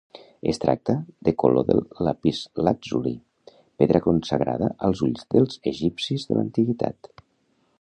Es tracta de color del lapislàtzuli, pedra consagrada als ulls dels egipcis de l'antiguitat.